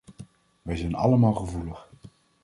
Wij zijn allemaal gevoelig.